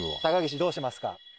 高岸どうしますか？